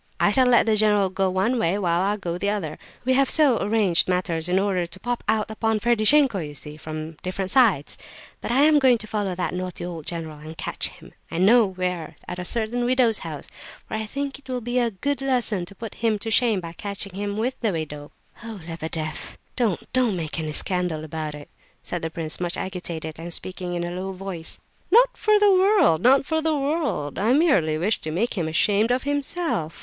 I shall let the general go one way, while I go the other; we have so arranged matters in order to pop out upon Ferdishenko, you see, from different sides. But I am going to follow that naughty old general and catch him, I know where, at a certain widow's house; for I think it will be a good lesson, to put him to shame by catching him with the widow." "Oh, Lebedeff, don't, don't make any scandal about it!" said the prince, much agitated, and speaking in a low voice. "Not for the world, not for the world! I merely wish to make him ashamed of himself.